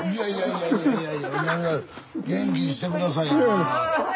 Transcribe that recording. いやいやいやいや元気にして下さいよ